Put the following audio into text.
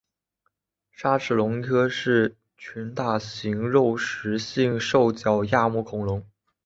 鲨齿龙科是群大型肉食性兽脚亚目恐龙。